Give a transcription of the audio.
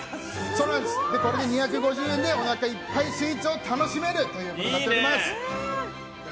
２５０円でおなかいっぱいスイーツを楽しめるということになっています。